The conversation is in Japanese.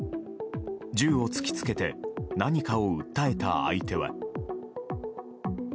銃を突き付けて何かを訴えた相手は。